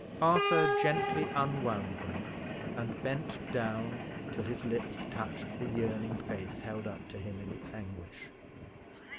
Arthur gently unwound them, and bent down till his lips touched the yearning face held up to him in its anguish.